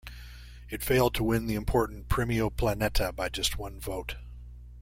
It failed to win the important Premio Planeta by just one vote.